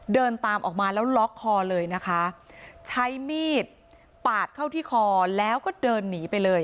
เดินตามออกมาแล้วล็อกคอเลยนะคะใช้มีดปาดเข้าที่คอแล้วก็เดินหนีไปเลย